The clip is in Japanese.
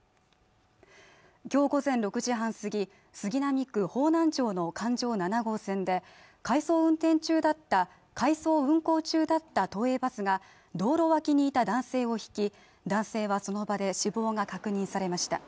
今日午前６時半すぎ、杉並区方南町の環状七号線で回送運行中だった都営バスが道路脇にいた男性をひき、男性はその場で死亡が確認されました。